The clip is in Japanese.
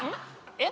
えっ？